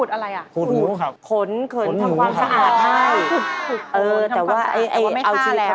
อ๋อเอาชีวิตมาไม่เอา